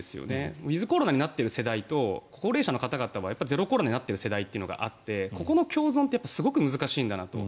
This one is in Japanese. ウィズコロナになっている世代と高齢者の方々はゼロコロナになっている世代っていうのがあってここの共存ってすごく難しいんだなと。